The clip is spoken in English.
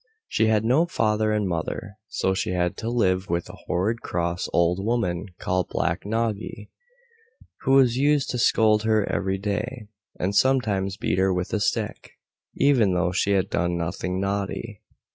She had no father and mother, so she had to live with a horrid cross old woman called Black Noggy, who used to scold her every day, and sometimes beat her with a stick, even though she had done nothing naughty.